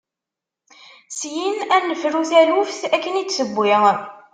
Syin, ad nefru taluft akken i d-tewwi.